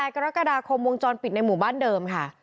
กรกฎาคมวงจรปิดในหมู่บ้านเดิมค่ะ